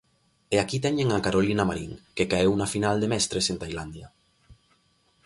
E aquí teñen a Carolina Marín, que caeu na final de mestres en Tailandia.